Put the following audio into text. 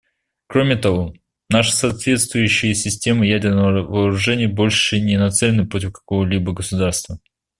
Кроме того, наши соответствующие системы ядерных вооружений больше не нацелены против какого-либо государства.